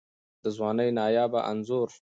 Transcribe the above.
د ځوانۍ نایابه انځور